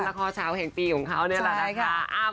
ละครเช้าแห่งปีของเขานี่แหละนะคะ